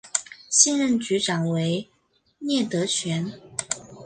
现任局长为聂德权。